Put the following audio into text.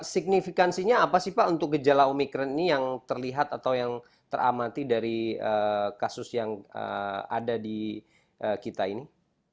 signifikansinya apa sih pak untuk gejala omikron ini yang terlihat atau yang teramati dari kasus yang ada di kita ini